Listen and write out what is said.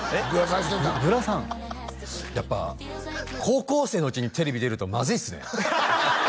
やっぱ高校生のうちにテレビ出るとまずいっすね